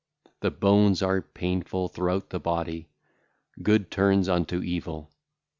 The bones are painful throughout the body; good turneth unto evil.